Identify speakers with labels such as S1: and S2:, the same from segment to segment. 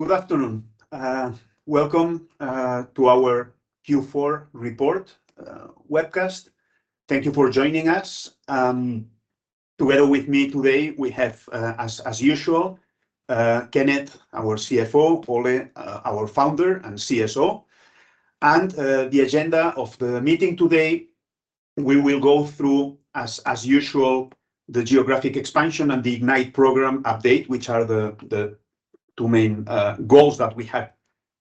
S1: Good afternoon. Welcome to our Q4 report webcast. Thank you for joining us. Together with me today we have as usual Kenneth, our CFO, Ole, our Founder and CSO. The agenda of the meeting today, we will go through as usual the geographic expansion and the IGNITE program update, which are the two main goals that we had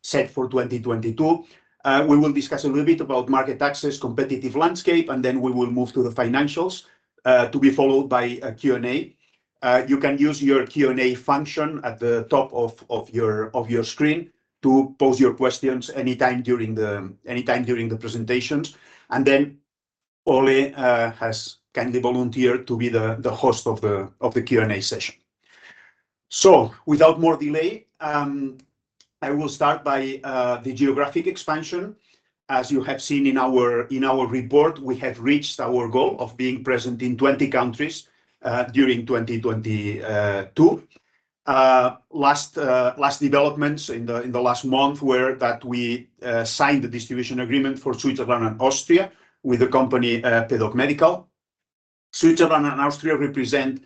S1: set for 2022. We will discuss a little bit about market access, competitive landscape, then we will move to the financials to be followed by a Q&A. You can use your Q&A function at the top of your screen to pose your questions anytime during the presentations. Then Ole has kindly volunteered to be the host of the Q&A session. Without more delay, I will start by the geographic expansion. As you have seen in our, in our report, we have reached our goal of being present in 20 countries during 2022. Last developments in the last month were that we signed the distribution agreement for Switzerland and Austria with the company, Pedoc Medical. Switzerland and Austria represent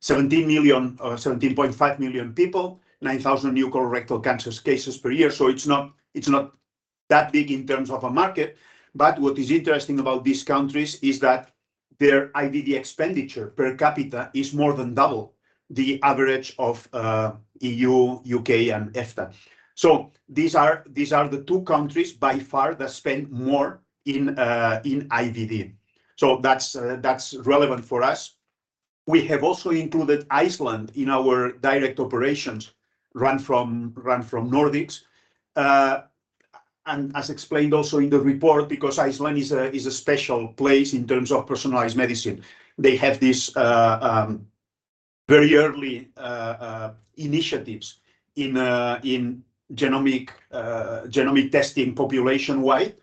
S1: 17 million, 17.5 million people, 9,000 new colorectal cancers cases per year. It's not, it's not that big in terms of a market, but what is interesting about these countries is that their IVD expenditure per capita is more than double the average of EU, U.K., and EFTA. These are, these are the two countries by far that spend more in IVD. That's, that's relevant for us. We have also included Iceland in our direct operations run from Nordics. As explained also in the report, because Iceland is a special place in terms of personalized medicine. They have this very early initiatives in genomic testing population-wide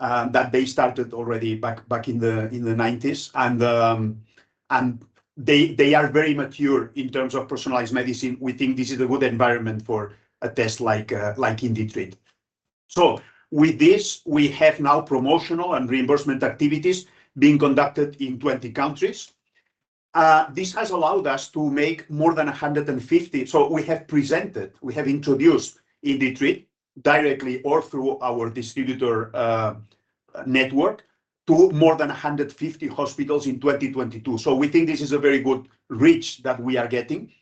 S1: that they started already back in the nineties. They are very mature in terms of personalized medicine. We think this is a good environment for a test like IndiTreat. With this, we have now promotional and reimbursement activities being conducted in 20 countries. This has allowed us to make more than 150. We have presented, we have introduced IndiTreat directly or through our distributor network to more than 150 hospitals in 2022. We think this is a very good reach that we are getting.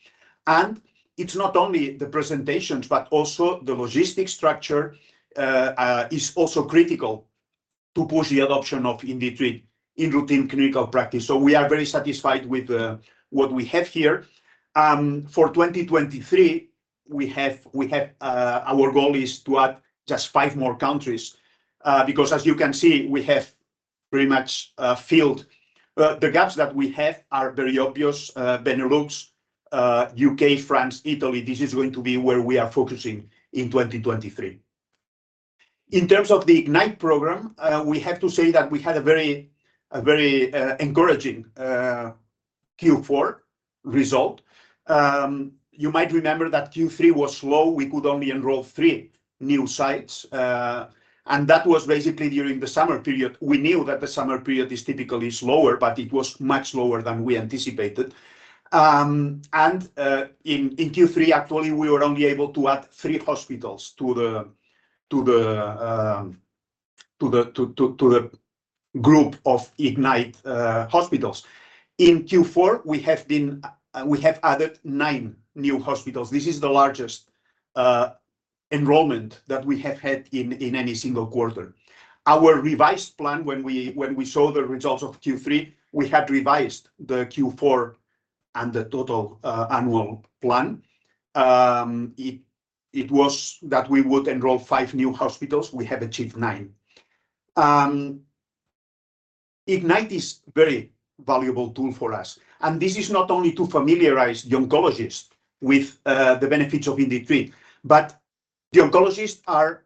S1: It's not only the presentations, but also the logistics structure is also critical to push the adoption of IndiTreat in routine clinical practice. We are very satisfied with what we have here. For 2023, we have our goal is to add just five more countries because as you can see, we have pretty much filled. The gaps that we have are very obvious. Benelux, U.K., France, Italy, this is going to be where we are focusing in 2023. In terms of the IGNITE program, we have to say that we had a very, very encouraging Q4 result. You might remember that Q3 was slow. We could only enroll three new sites, and that was basically during the summer period. We knew that the summer period is typically slower, but it was much slower than we anticipated. In Q3, actually, we were only able to add three hospitals to the group of IGNITE hospitals. In Q4, we have added nine new hospitals. This is the largest enrollment that we have had in any single quarter. Our revised plan when we, when we saw the results of Q3, we had revised the Q4 and the total annual plan. It was that we would enroll five new hospitals. We have achieved nine. IGNITE is very valuable tool for us. This is not only to familiarize the oncologist with the benefits of IndiTreat, but the oncologists are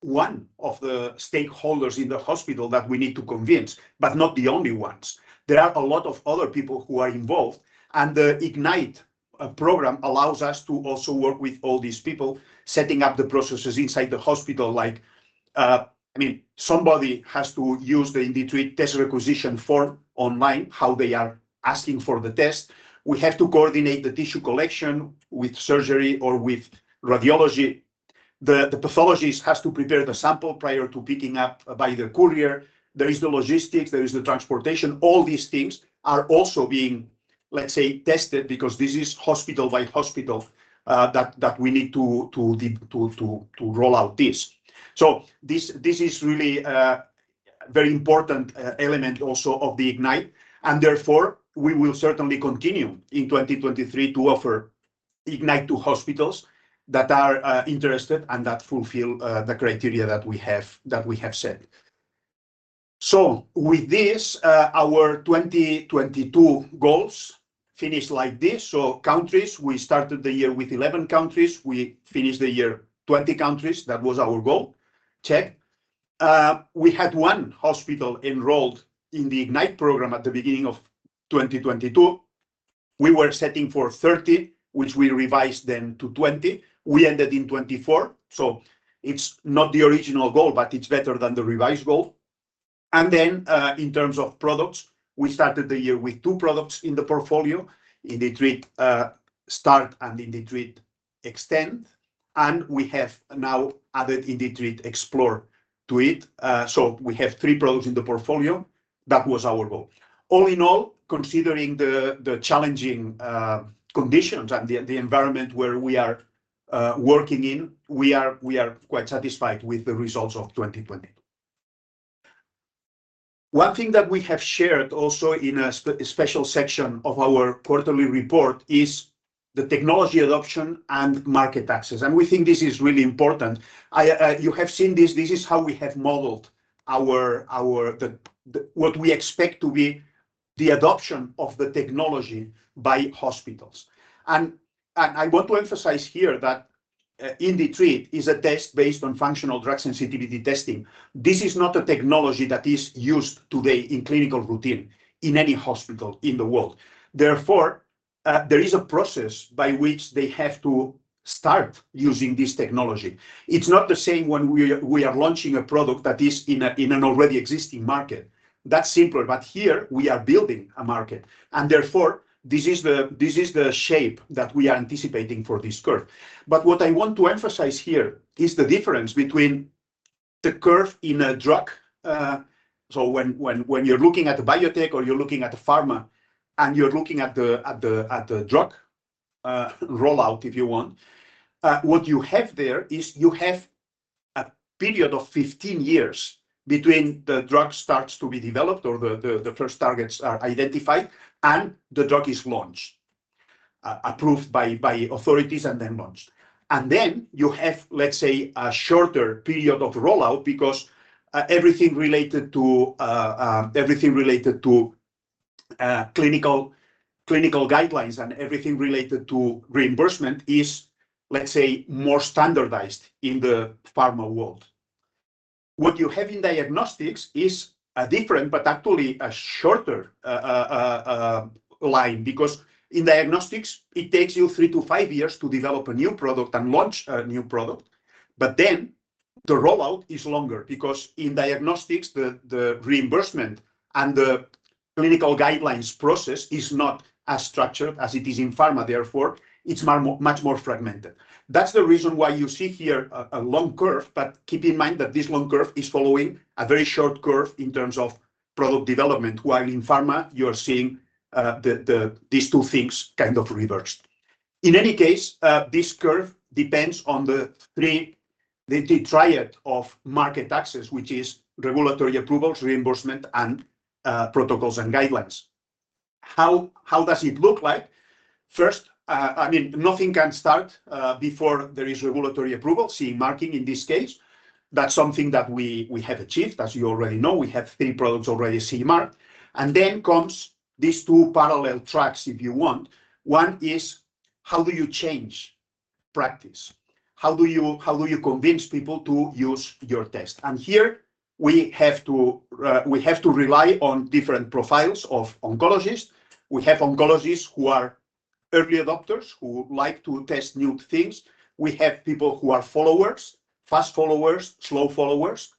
S1: one of the stakeholders in the hospital that we need to convince, but not the only ones. There are a lot of other people who are involved. The IGNITE program allows us to also work with all these people, setting up the processes inside the hospital like, I mean, somebody has to use the IndiTreat test requisition form online, how they are asking for the test. We have to coordinate the tissue collection with surgery or with radiology. The pathologist has to prepare the sample prior to picking up by the courier. There is the logistics, there is the transportation. All these things are also being, let's say, tested because this is hospital by hospital, that we need to roll out this. This, this is really a very important element also of the IGNITE, and therefore we will certainly continue in 2023 to offer IGNITE to hospitals that are interested and that fulfill the criteria that we have, that we have set. With this, our 2022 goals finish like this. Countries, we started the year with 11 countries. We finished the year 20 countries. That was our goal. Check. We had one hospital enrolled in the IGNITE program at the beginning of 2022. We were setting for 30, which we revised then to 20. We ended in 24, so it's not the original goal, but it's better than the revised goal. In terms of products, we started the year with two products in the portfolio, IndiTreat Start and IndiTreat Extend, and we have now added IndiTreat Explore to it. We have three products in the portfolio. That was our goal. All in all, considering the challenging conditions and the environment where we are working in, we are quite satisfied with the results of 2020. One thing that we have shared also in a special section of our quarterly report is the technology adoption and market access, and we think this is really important. I, you have seen this. This is how we have modeled what we expect to be the adoption of the technology by hospitals. I want to emphasize here that IndiTreat is a test based on functional drug sensitivity testing. This is not a technology that is used today in clinical routine in any hospital in the world. Therefore, there is a process by which they have to start using this technology. It's not the same when we are launching a product that is in an already existing market. That's simpler. Here we are building a market, and therefore this is the shape that we are anticipating for this curve. What I want to emphasize here is the difference between the curve in a drug. When you're looking at biotech or you're looking at the pharma and you're looking at the drug rollout, if you want, what you have there is you have a period of 15 years between the drug starts to be developed or the first targets are identified and the drug is launched, approved by authorities and then launched. Then you have, let's say, a shorter period of rollout because everything related to clinical guidelines and everything related to reimbursement is, let's say, more standardized in the pharma world. What you have in diagnostics is a different but actually a shorter line because in diagnostics it takes you three to five years to develop a new product and launch a new product. The rollout is longer because in diagnostics the reimbursement and the clinical guidelines process is not as structured as it is in pharma therefore, it's much more fragmented. That's the reason why you see here a long curve. Keep in mind that this long curve is following a very short curve in terms of product development, while in pharma you are seeing these two things kind of reversed. In any case, this curve depends on the triad of market access, which is regulatory approvals, reimbursement, and protocols and guidelines. How does it look like? First, I mean, nothing can start before there is regulatory approval, CE marking in this case. That's something that we have achieved. As you already know, we have three products already CE marked. Then comes these two parallel tracks if you want. One is, how do you change practice? How do you convince people to use your test? Here we have to, we have to rely on different profiles of oncologists. We have oncologists who are early adopters, who like to test new things. We have people who are followers, fast followers, slow followers.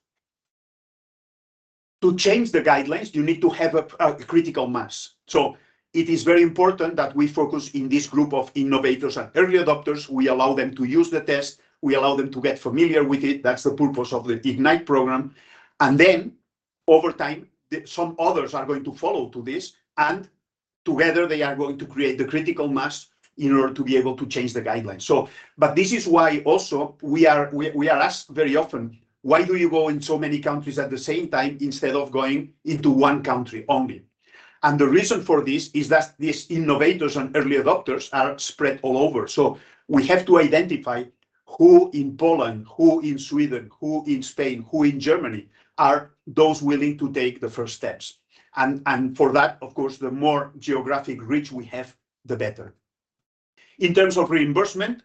S1: To change the guidelines you need to have a critical mass. It is very important that we focus in this group of innovators and early adopters. We allow them to use the test, we allow them to get familiar with it. That's the purpose of the IGNITE program. Then over time, the some others are going to follow to this, and together they are going to create the critical mass in order to be able to change the guidelines. This is why also we are asked very often, "Why do you go in so many countries at the same time instead of going into one country only?" The reason for this is that these innovators and early adopters are spread all over. We have to identify who in Poland, who in Sweden, who in Spain, who in Germany are those willing to take the first steps. For that of course, the more geographic reach we have, the better. In terms of reimbursement,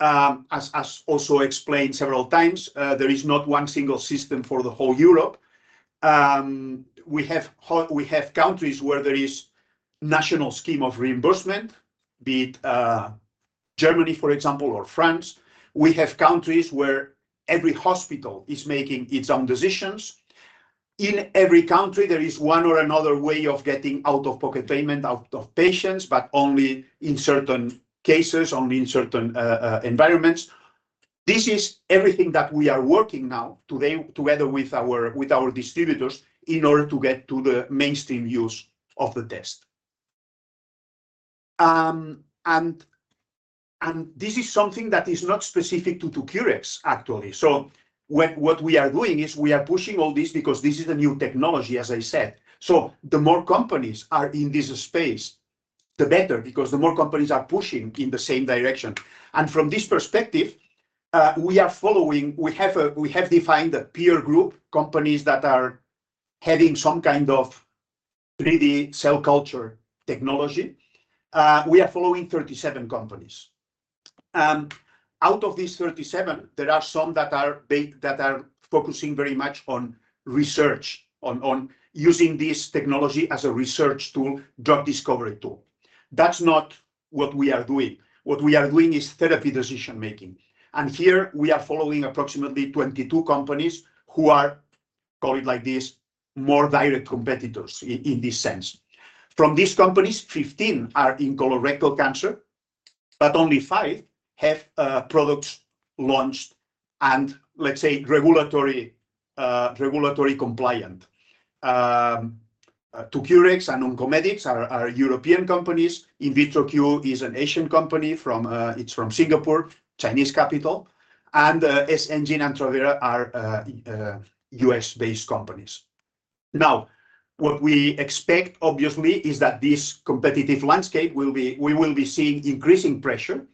S1: as also explained several times, there is not one single system for the whole Europe. We have countries where there is national scheme of reimbursement, be it Germany, for example, or France. We have countries where every hospital is making its own decisions. In every country there is one or another way of getting out-of-pocket payment out of patients. Only in certain cases, only in certain environments. This is everything that we are working now today together with our, with our distributors in order to get to the mainstream use of the test. This is something that is not specific to 2cureX actually. What we are doing is we are pushing all this because this is a new technology, as I said. The more companies are in this space the better because the more companies are pushing in the same direction. From this perspective, we have defined a peer group, companies that are having some kind of 3D cell culture technology. We are following 37 companies. Out of these 37, there are some that are big, that are focusing very much on research, on using this technology as a research tool, drug discovery tool. That's not what we are doing. What we are doing is therapy decision-making, and here we are following approximately 22 companies who are, call it like this, more direct competitors in this sense. From these companies, 15 are in colorectal cancer, but only five have products launched and let's say regulatory compliant. 2cureX and Oncomedics are European companies. Invitrocue is an Asian company from Singapore, Chinese capital, and SEngine and Travera are U.S.-based companies. What we expect obviously is that this competitive landscape we will be seeing increasing pressure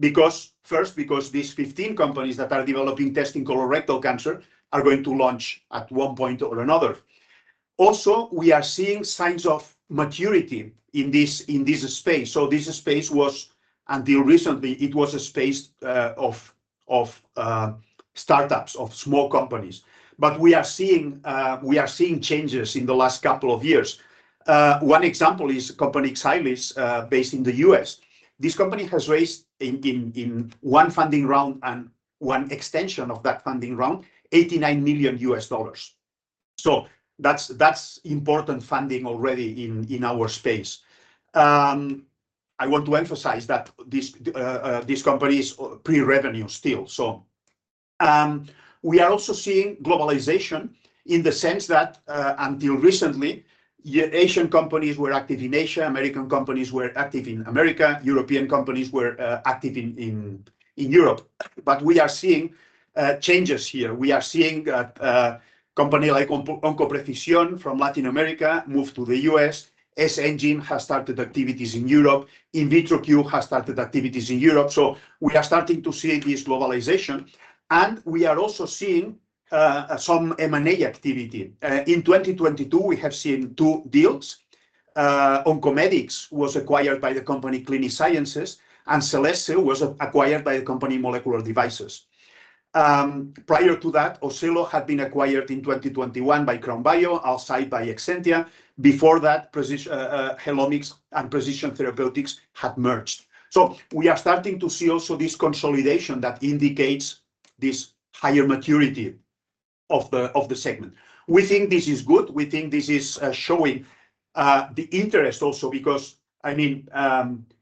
S1: because first, because these 15 companies that are developing testing colorectal cancer are going to launch at one point or another. We are seeing signs of maturity in this space. This space was until recently, it was a space of startups, of small companies. We are seeing changes in the last couple of years. One example is company Xilis, based in the U.S. This company has raised in one funding round and one extension of that funding round, $89 million. That's important funding already in our space. I want to emphasize that these companies are pre-revenue still. We are also seeing globalization in the sense that until recently, Asian companies were active in Asia, American companies were active in America, European companies were active in Europe. We are seeing changes here. We are seeing a company like OncoPrecision from Latin America move to the U.S. SEngine has started activities in Europe. Invitrocue has started activities in Europe. We are starting to see this globalization, and we are also seeing some M&A activity. In 2022, we have seen two deals. Oncomedics was acquired by the company CliniSciences, and Cellese was acquired by the company Molecular Devices. Prior to that, OcellO had been acquired in 2021 by CrownBio, Allcyte by Exscientia. Before that, Helomics and Precision Therapeutics had merged. We are starting to see also this consolidation that indicates this higher maturity of the segment. We think this is good. We think this is showing the interest also because, I mean,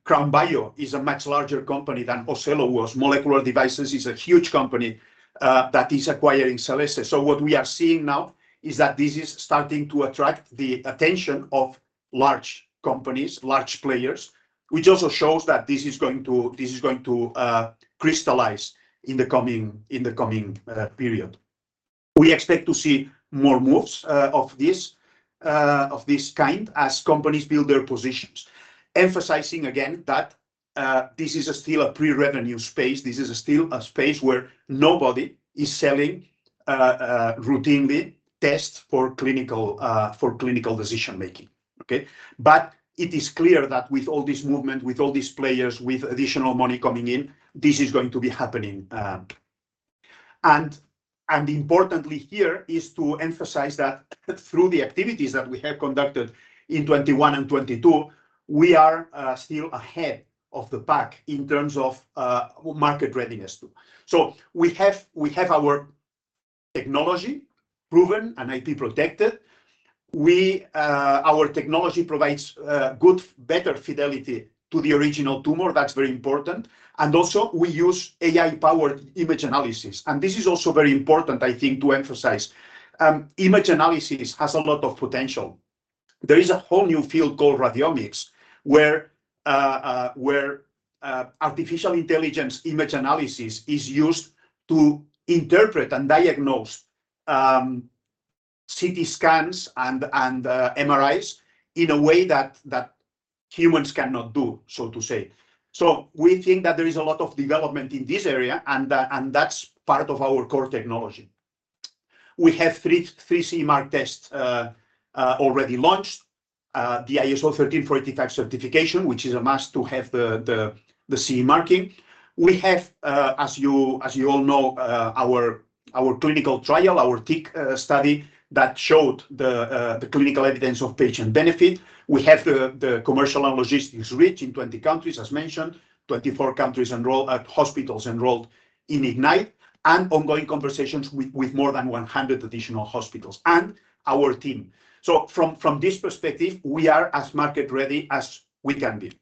S1: CrownBio is a much larger company than OcellO was. Molecular Devices is a huge company that is acquiring Cellese. What we are seeing now is that this is starting to attract the attention of large companies, large players, which also shows that this is going to crystallize in the coming period. We expect to see more moves of this kind as companies build their positions, emphasizing again that this is still a pre-revenue space. This is still a space where nobody is selling routinely tests for clinical decision-making. Okay? It is clear that with all this movement, with all these players, with additional money coming in, this is going to be happening, and importantly here is to emphasize that through the activities that we have conducted in 2021 and 2022, we are still ahead of the pack in terms of market readiness too. We have our technology proven and IP protected. We our technology provides good, better fidelity to the original tumor. That's very important, and also, we use AI-powered image analysis, and this is also very important, I think, to emphasize. Image analysis has a lot of potential. There is a whole new field called radiomics, where artificial intelligence image analysis is used to interpret and diagnose CT scans and MRIs in a way that humans cannot do, so to say. We think that there is a lot of development in this area, and that's part of our core technology. We have three CE mark tests already launched, the ISO 1340-type certification, which is a must to have the CE marking. We have as you all know, our clinical trial, our TIC study that showed the clinical evidence of patient benefit. We have the commercial and logistics reach in 20 countries, as mentioned, 24 hospitals enrolled in IGNITE, and ongoing conversations with more than 100 additional hospitals and our team. From this perspective, we are as market ready as we can be.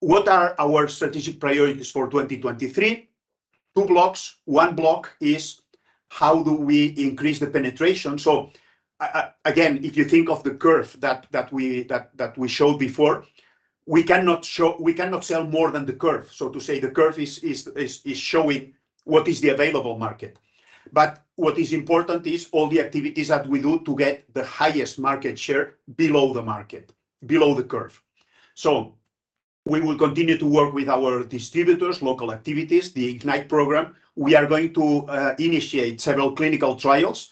S1: What are our strategic priorities for 2023? Two blocks. One block is how do we increase the penetration? Again, if you think of the curve that we showed before, we cannot sell more than the curve, so to say. The curve is showing what is the available market. What is important is all the activities that we do to get the highest market share below the market, below the curve. We will continue to work with our distributors, local activities, the IGNITE program. We are going to initiate several clinical trials.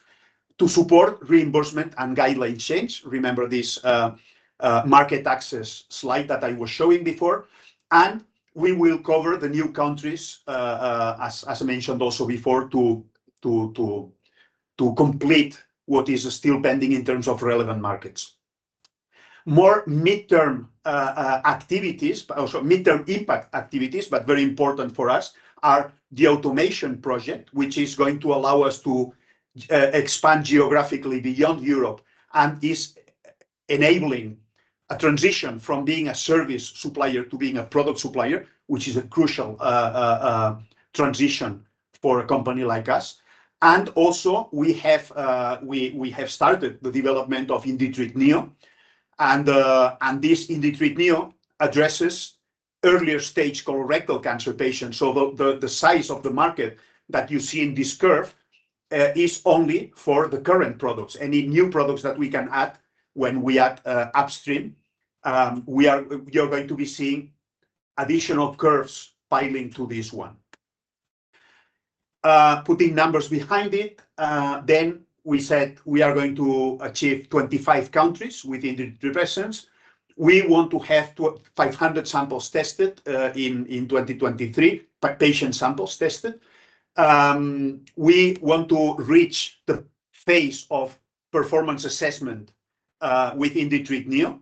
S1: To support reimbursement and guideline change, remember this market access slide that I was showing before, we will cover the new countries as I mentioned also before to complete what is still pending in terms of relevant markets. More midterm activities, but also midterm impact activities, but very important for us are the automation project, which is going to allow us to expand geographically beyond Europe and is enabling a transition from being a service supplier to being a product supplier, which is a crucial transition for a company like us. Also, we have started the development of IndiTreat Neo and this IndiTreat Neo addresses earlier stage colorectal cancer patients. The size of the market that you see in this curve is only for the current products. Any new products that we can add when we add upstream, you're going to be seeing additional curves piling to this one. Putting numbers behind it, we said we are going to achieve 25 countries with [IndiTreat presence]. We want to have 500 samples tested in 2023, by patient samples tested. We want to reach the phase of performance assessment with IndiTreat Neo.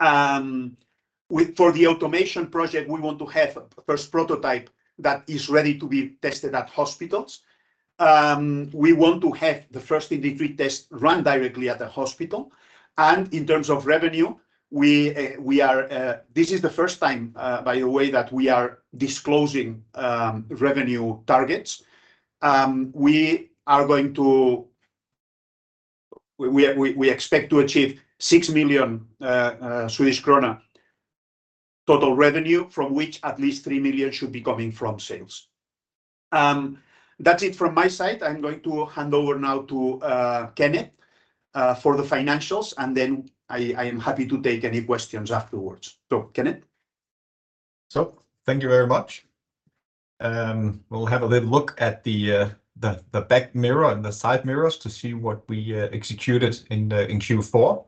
S1: For the automation project, we want to have a first prototype that is ready to be tested at hospitals. We want to have the first IndiTreat test run directly at the hospital. In terms of revenue, we are, this is the first time, by the way, that we are disclosing revenue targets. We expect to achieve 6 million Swedish krona total revenue from which at least 3 million should be coming from sales. That's it from my side. I'm going to hand over now to Kenneth for the financials, and then I am happy to take any questions afterwards. Kenneth.
S2: Thank you very much. We'll have a little look at the, the back mirror and the side mirrors to see what we executed in Q4.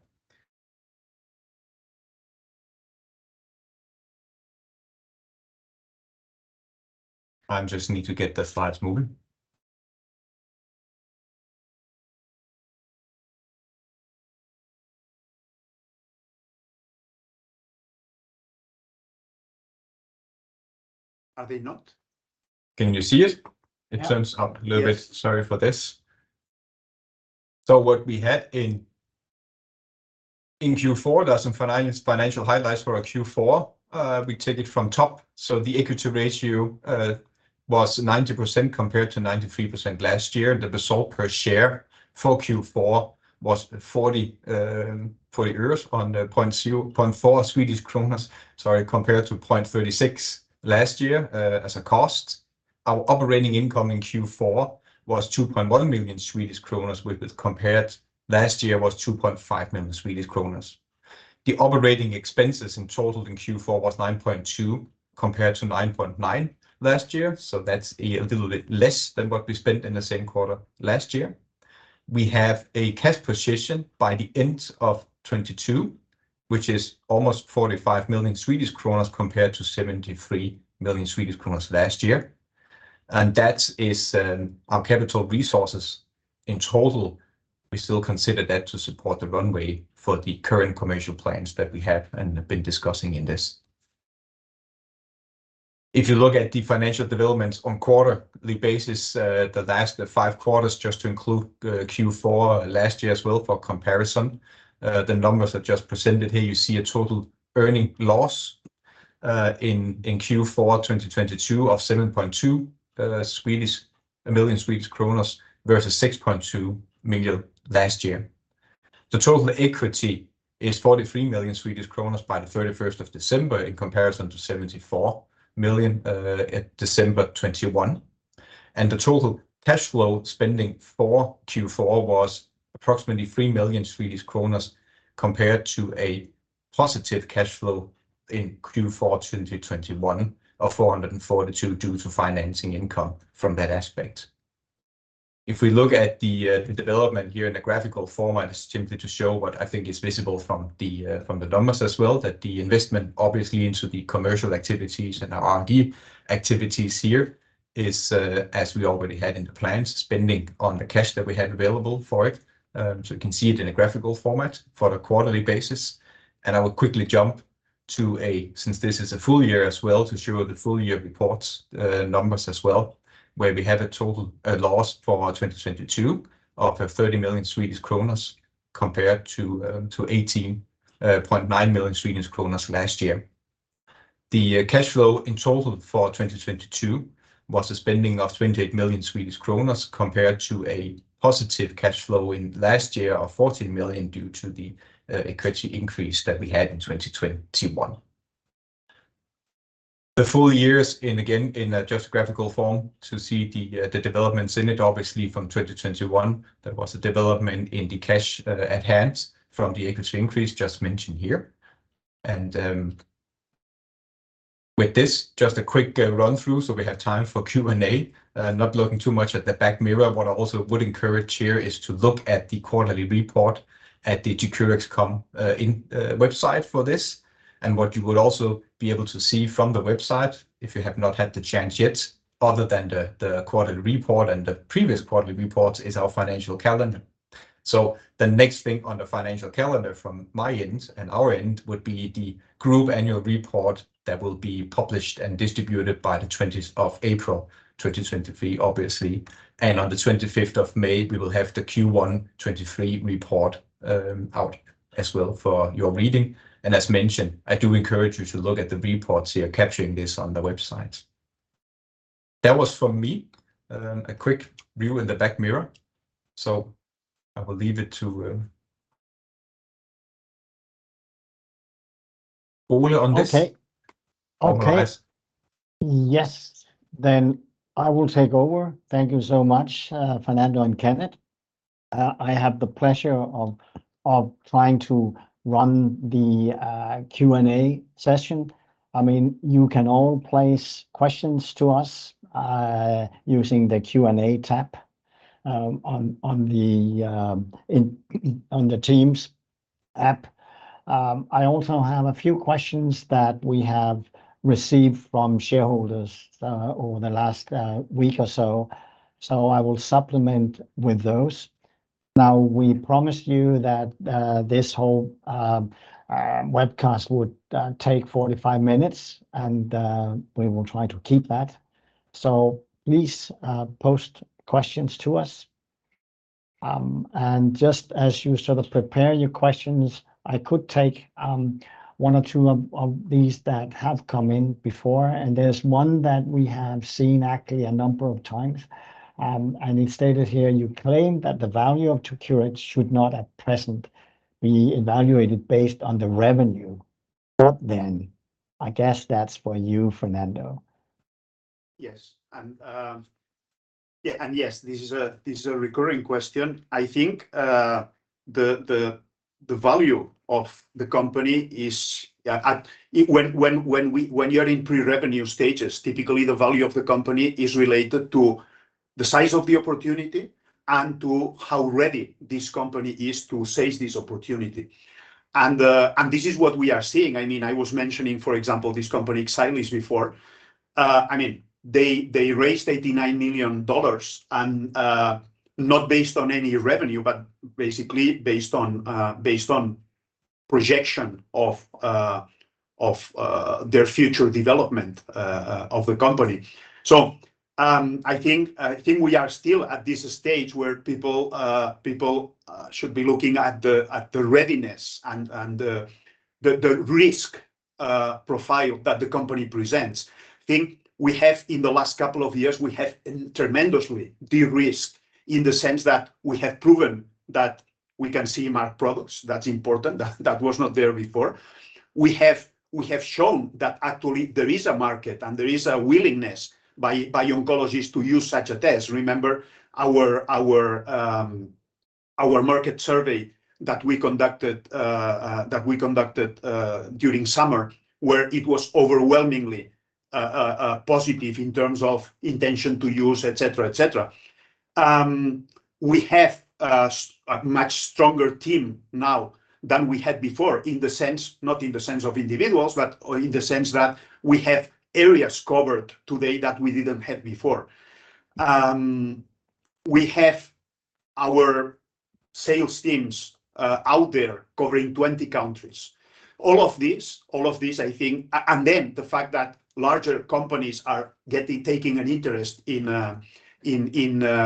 S2: I just need to get the slides moving.
S1: Are they not?
S2: Can you see it?
S1: Yeah.
S2: It turns up a little bit.
S1: Yes.
S2: Sorry for this. What we had in Q4, that's some financial highlights for our Q4. We take it from top. The equity ratio was 90% compared to 93% last year. The result per share for Q4 was 40 on 0.4 Swedish kronor, sorry, compared to 0.36 last year as a cost. Our operating income in Q4 was 2.1 million Swedish kronor with compared last year was 2.5 million Swedish kronor. The operating expenses in total in Q4 was 9.2 million compared to 9.9 million last year. That's a little bit less than what we spent in the same quarter last year. We have a cash position by the end of 2022, which is almost 45 million, compared to 73 million last year. That is our capital resources in total. We still consider that to support the runway for the current commercial plans that we have and have been discussing in this. If you look at the financial developments on quarterly basis, the last five quarters, just to include Q4 last year as well for comparison, the numbers I just presented here, you see a total earning loss in Q4 2022 of 7.2 million Swedish kronor versus 6.2 million last year. The total equity is 43 million Swedish kronor by December 31st, in comparison to 74 million at December 2021. The total cash flow spending for Q4 was approximately 3 million Swedish kronor, compared to a positive cash flow in Q4 2021 of 442 due to financing income from that aspect. If we look at the development here in a graphical format, it's simply to show what I think is visible from the numbers as well, that the investment obviously into the commercial activities and our R&D activities here is as we already had in the plans, spending on the cash that we had available for it. So, you can see it in a graphical format for a quarterly basis. I will quickly jump to since this is a full year as well, to show the full year reports numbers as well, where we have a total loss for 2022 of 30 million Swedish kronor, compared to 18.9 million Swedish kronor last year. The cash flow in total for 2022 was a spending of 28 million Swedish kronor, compared to a positive cash flow in last year of 14 million due to the equity increase that we had in 2021. The full years in, again, in just graphical form to see the developments in it, obviously from 2021, there was a development in the cash at hand from the equity increase just mentioned here. With this, just a quick run-through so we have time for Q&A. Not looking too much at the back mirror, what I also would encourage here is to look at the quarterly report at the 2cureX.com website for this. What you will also be able to see from the website, if you have not had the chance yet, other than the quarterly report and the previous quarterly reports, is our financial calendar. The next thing on the financial calendar from my end, and our end, would be the group annual report that will be published and distributed by April 20th, 2023, obviously. On the May 25th, we will have the Q1 2023 report out as well for your reading. As mentioned, I do encourage you to look at the reports here capturing this on the website. That was from me, and then a quick view in the back mirror. I will leave it to Ole on this.
S3: Okay. Okay.
S2: Ole Thastrup. Yes. I will take over. Thank you so much, Fernando and Kenneth. I have the pleasure of trying to run the Q&A session. I mean, you can all place questions to us, using the Q&A tab, on the Teams app. I also have a few questions that we have received from shareholders, over the last, week or so I will supplement with those. We promised you that, this whole, webcast would, take 45 minutes and, we will try to keep that. Please, post questions to us.
S3: Just as you sort of prepare your questions, I could take, one or two of these that have come in before. There's one that we have seen actually a number of times. It stated here, "You claim that the value of 2cureX should not at present be evaluated based on the revenue. What then?" I guess that's for you, Fernando.
S1: Yes, this is a recurring question. I think the value of the company is when you're in pre-revenue stages, typically the value of the company is related to the size of the opportunity and to how ready this company is to seize this opportunity. This is what we are seeing. I mean, I was mentioning, for example, this company Xilis before. I mean, they raised $89 million, not based on any revenue, but basically based on projection of their future development of the company. I think we are still at this stage where people should be looking at the readiness and the risk profile that the company presents. In the last couple of years, we have tremendously de-risked in the sense that we have proven that we can see our products. That's important. That was not there before. We have shown that actually there is a market and there is a willingness by oncologists to use such a test. Remember our market survey that we conducted during summer, where it was overwhelmingly positive in terms of intention to use, et cetera, et cetera. We have a much stronger team now than we had before in the sense, not in the sense of individuals, but, or in the sense that we have areas covered today that we didn't have before. We have our sales teams out there covering 20 countries. All of this, I think. And then the fact that larger companies are getting, taking an interest in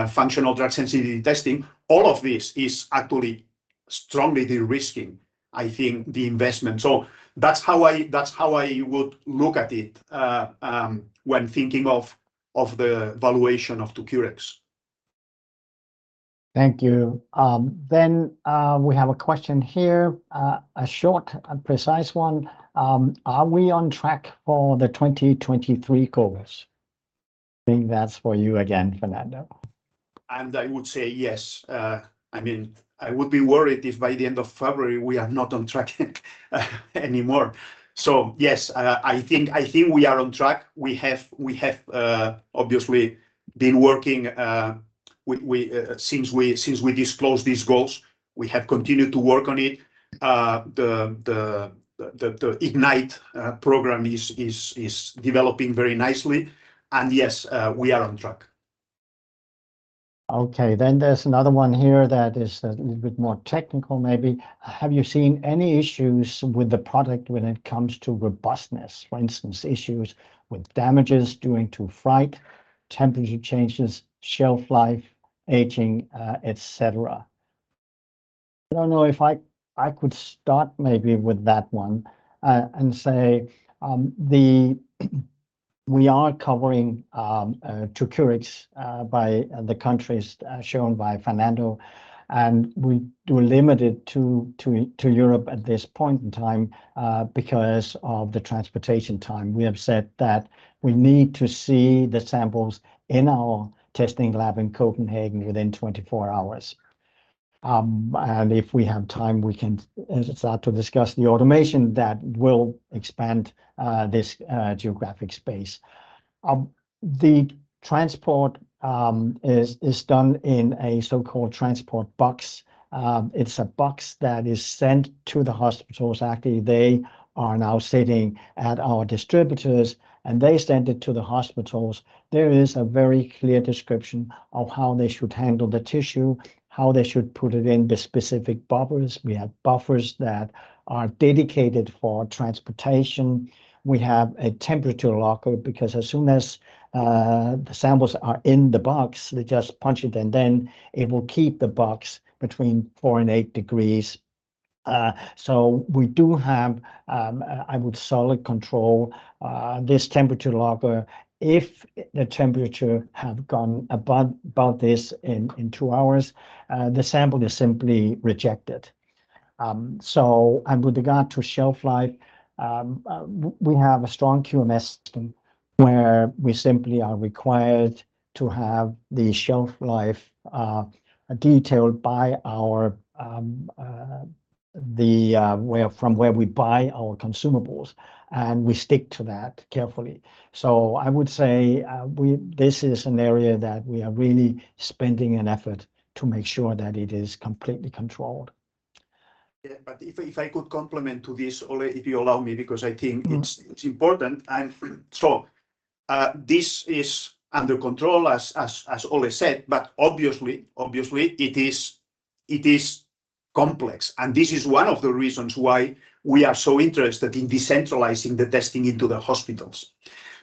S1: functional drug sensitivity testing, all of this is actually strongly de-risking, I think, the investment. That's how I would look at it when thinking of the valuation of 2cureX.
S3: Thank you. We have a question here, a short and precise one. "Are we on track for the 2023 covers?" I think that's for you again, Fernando.
S1: I would say yes. I mean, I would be worried if by the end of February, we are not on track anymore. Yes, I think we are on track. We have obviously been working. We since we disclosed these goals, we have continued to work on it. The IGNITE program is developing very nicely. Yes, we are on track.
S3: There's another one here that is a little bit more technical maybe. "Have you seen any issues with the product when it comes to robustness? For instance, issues with damages doing to freight, temperature changes, shelf life, aging, et cetera." I don't know if I could start maybe with that one and say, we are covering 2cureX by the countries shown by Fernando. We do limit it to Europe at this point in time because of the transportation time. We have said that we need to see the samples in our testing lab in Copenhagen within 24 hours. If we have time, we can start to discuss the automation that will expand this geographic space. The transport is done in a so-called transport box. It's a box that is sent to the hospitals. Actually, they are now sitting at our distributors, and they send it to the hospitals. There is a very clear description of how they should handle the tissue, how they should put it in the specific buffers. We have buffers that are dedicated for transportation. We have a temperature logger because as soon as the samples are in the box, they just punch it, and then it will keep the box between four and eight degrees. We do have, I would solid control, this temperature logger. If the temperature have gone above this in two hours, the sample is simply rejected. With regard to shelf life, we have a strong QMS where we simply are required to have the shelf life, detailed by our, from where we buy our consumables, and we stick to that carefully. I would say, this is an area that we are really spending an effort to make sure that it is completely controlled.
S1: Yeah. If I could complement to this, Ole, if you allow me, because I think.
S3: Mm-hmm
S1: It's important. This is under control, as Ole said, but obviously it is complex. This is one of the reasons why we are so interested in decentralizing the testing into the hospitals.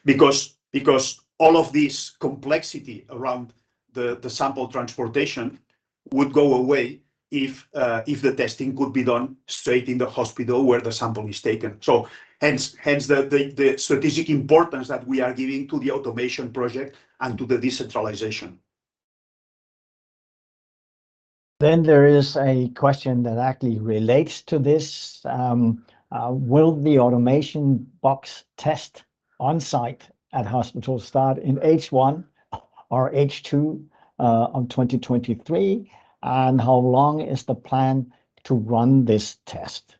S1: Because all of this complexity around the sample transportation would go away if the testing could be done straight in the hospital where the sample is taken. Hence the strategic importance that we are giving to the automation project and to the decentralization.
S3: There is a question that actually relates to this. Will the automation box test on site at hospitals start in H1 or H2, on 2023? How long is the plan to run this test?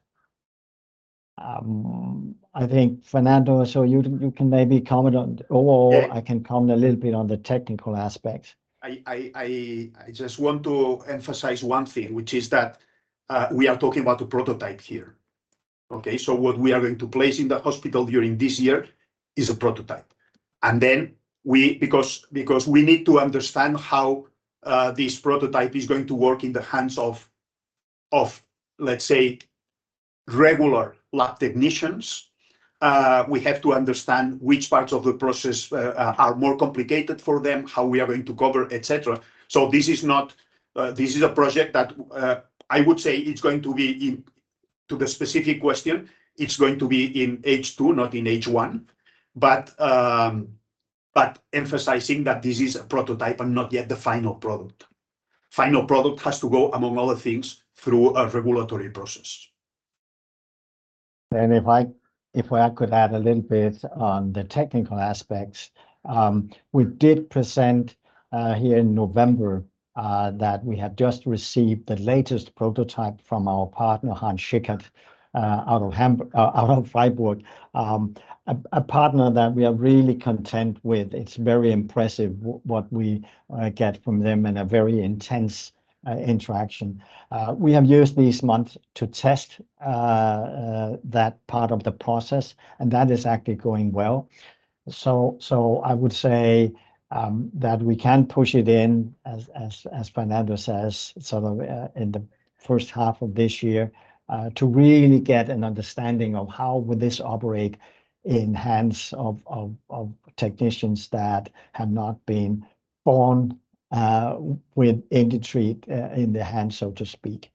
S3: I think Fernando, so you can maybe comment on overall.
S1: Yeah.
S3: I can comment a little bit on the technical aspects.
S1: I just want to emphasize one thing, which is that we are talking about a prototype here. Okay? What we are going to place in the hospital during this year is a prototype. Because we need to understand how this prototype is going to work in the hands of, let's say, regular lab technicians, we have to understand which parts of the process are more complicated for them, how we are going to cover, et cetera. This is a project that I would say it's going to be to the specific question, it's going to be in H2, not in H1. Emphasizing that this is a prototype and not yet the final product. Final product has to go, among other things, through a regulatory process.
S3: If I, if I could add a little bit on the technical aspects, we did present here in November that we had just received the latest prototype from our partner, Hahn-Schickard, out of Hamburg out of Freiburg. A partner that we are really content with. It's very impressive what we get from them and a very intense interaction. We have used these months to test that part of the process, and that is actually going well. I would say that we can push it in, as Fernando says, sort of in the first half of this year, to really get an understanding of how would this operate in hands of technicians that have not been born with IndiTreat in the hand, so to speak.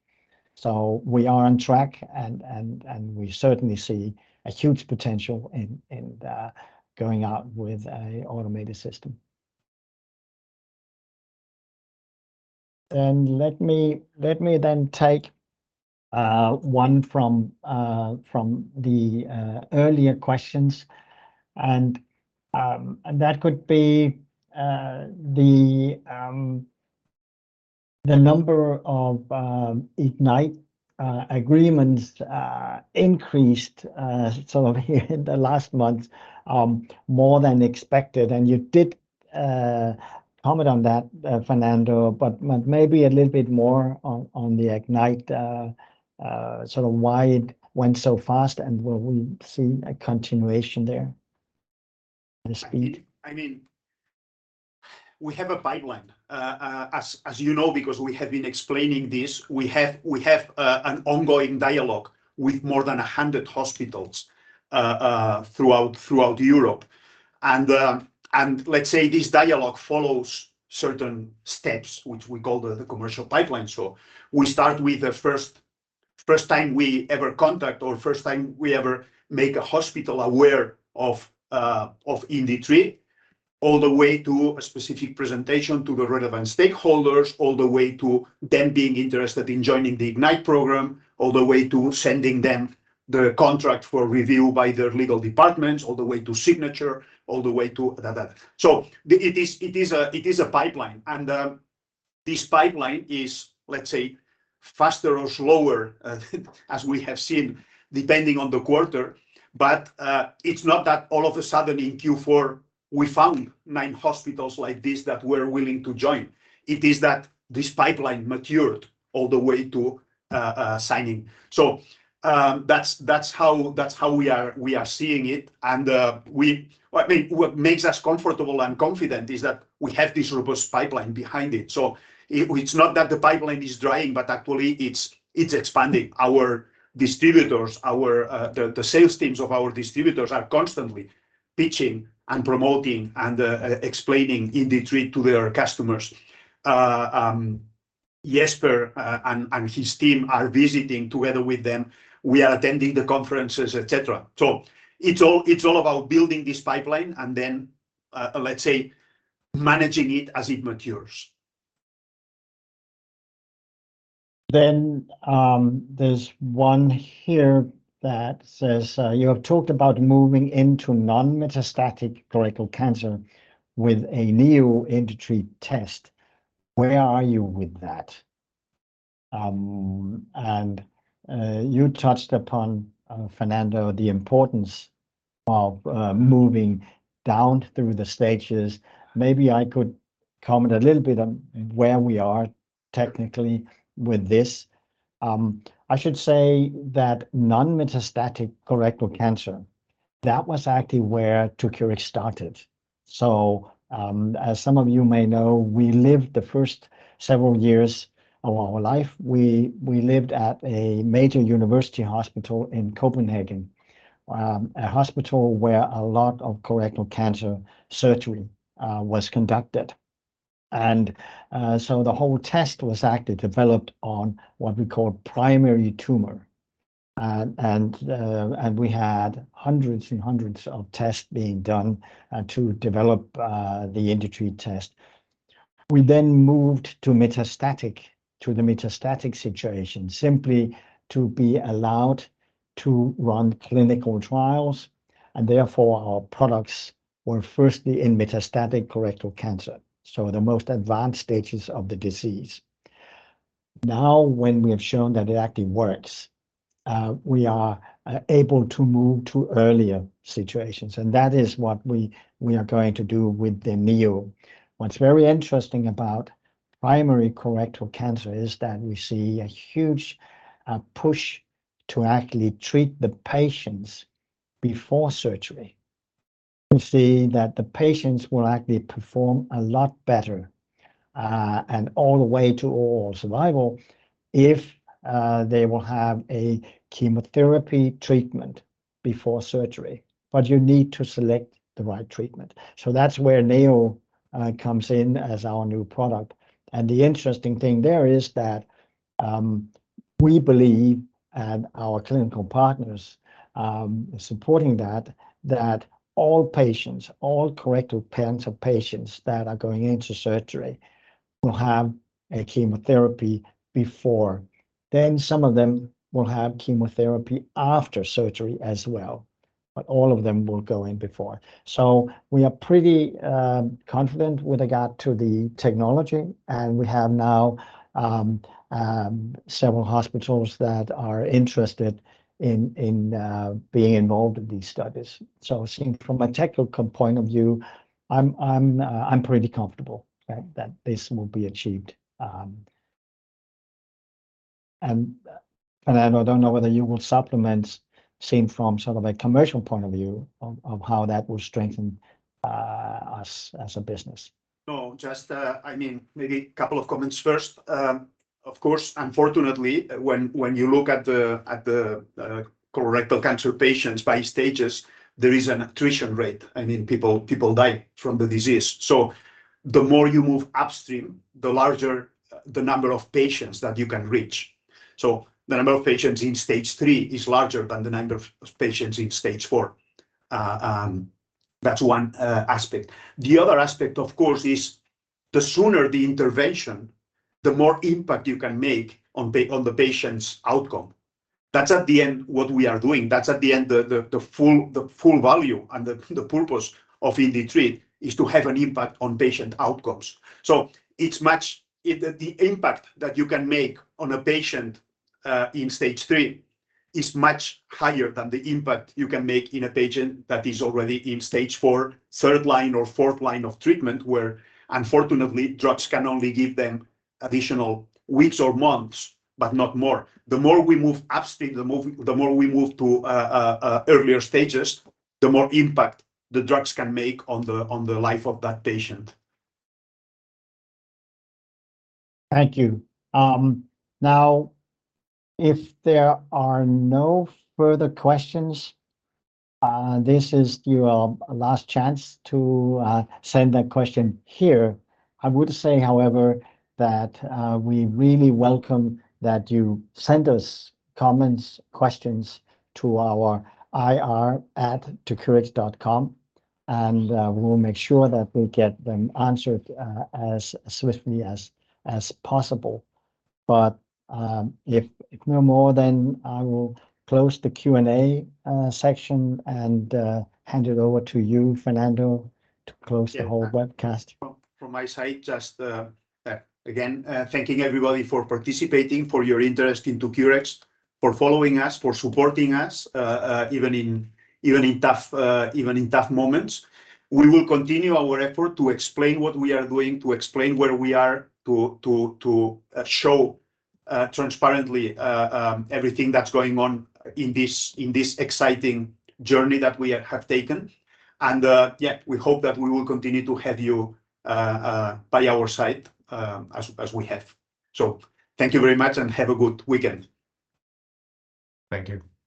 S3: We are on track and we certainly see a huge potential in going out with an automated system. Let me then take one from the earlier questions, and that could be the number of IGNITE agreements increased sort of here in the last month more than expected. You did comment on that Fernando, but maybe a little bit more on the IGNITE, sort of why it went so fast, and will we see a continuation there in speed?
S1: I mean, we have a pipeline, as you know, because we have been explaining this. We have an ongoing dialogue with more than 100 hospitals throughout Europe. Let's say this dialogue follows certain steps, which we call the commercial pipeline. We start with the first time we ever contact or first time we ever make a hospital aware of IndiTreat, all the way to a specific presentation to the relevant stakeholders, all the way to them being interested in joining the IGNITE program, all the way to sending them the contract for review by their legal departments all the way to signature. it is a pipeline, and this pipeline is, let's say, faster or slower, as we have seen, depending on the quarter. But it's not that all of a sudden in Q4 we found nine hospitals like this that were willing to join. It is that this pipeline matured all the way to signing. That's how we are seeing it. I mean, what makes us comfortable and confident is that we have this robust pipeline behind it. It's not that the pipeline is drying, but actually it's expanding. Our distributors, the sales teams of our distributors are constantly pitching and promoting and explaining IndiTreat to their customers. Jesper and his team are visiting together with them. We are attending the conferences, et cetera. It's all about building this pipeline and then, let's say, managing it as it matures.
S3: There's one here that says, you have talked about moving into non-metastatic colorectal cancer with a neo IndiTreat test. Where are you with that? You touched upon Fernando, the importance of moving down through the stages. Maybe I could comment a little bit on where we are technically with this. I should say that non-metastatic colorectal cancer, that was actually where 2cureX started. As some of you may know, we lived the first several years of our life, we lived at a major university hospital in Copenhagen, a hospital where a lot of colorectal cancer surgery was conducted. The whole test was actually developed on what we call primary tumor. We had hundreds and hundreds of tests being done to develop the IndiTreat test. We moved to the metastatic situation, simply to be allowed to run clinical trials, and therefore our products were firstly in metastatic colorectal cancer, so the most advanced stages of the disease. When we have shown that it actually works, we are able to move to earlier situations, and that is what we are going to do with the Neo. What's very interesting about primary colorectal cancer is that we see a huge push to actually treat the patients before surgery. We see that the patients will actually perform a lot better, and all the way to overall survival if they will have a chemotherapy treatment before surgery, but you need to select the right treatment. That's where Neo comes in as our new product. The interesting thing there is that we believe, and our clinical partners supporting that all patients, all colorectal cancer patients that are going into surgery will have a chemotherapy before. Some of them will have chemotherapy after surgery as well, but all of them will go in before. We are pretty confident with regard to the technology, and we have now several hospitals that are interested in being involved in these studies. Seeing from a technical point of view, I'm pretty comfortable that this will be achieved. Fernando, I don't know whether you will supplement seen from sort of a commercial point of view of how that will strengthen us as a business.
S1: No, just, I mean, maybe a couple of comments first. Of course, unfortunately, when you look at the colorectal cancer patients by stages, there is an attrition rate. I mean, people die from the disease. The more you move upstream, the larger the number of patients that you can reach. The number of patients in stage III is larger than the number of patients in stage IV. That's one aspect. The other aspect, of course, is the sooner the intervention, the more impact you can make on the patient's outcome. That's at the end what we are doing. That's at the end the full value and the purpose of IndiTreat is to have an impact on patient outcomes. It's much, the impact that you can make on a patient in stage III is much higher than the impact you can make in a patient that is already in stage IV, third line or fourth line of treatment, where unfortunately, drugs can only give them additional weeks or months, but not more. The more we move upstream, the more we move to earlier stages, the more impact the drugs can make on the life of that patient.
S3: Thank you. Now if there are no further questions, this is your last chance to send a question here. I would say, however, that we really welcome that you send us comments, questions to our ir@2curex.com, and we'll make sure that we get them answered as swiftly as possible. If no more, then I will close the Q&A section and hand it over to you, Fernando, to close the whole webcast.
S1: From my side, just again thanking everybody for participating, for your interest in 2cureX, for following us, for supporting us even in tough even in tough moments. We will continue our effort to explain what we are doing, to explain where we are to show transparently everything that's going on in this, in this exciting journey that we have taken. We hope that we will continue to have you by our side as we have. Thank you very much and have a good weekend.
S2: Thank you.